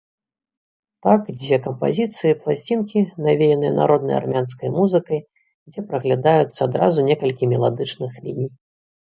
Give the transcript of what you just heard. Так дзве кампазіцыі пласцінкі навеяныя народнай армянскай музыкай, дзе праглядаюцца адразу некалькі меладычных ліній.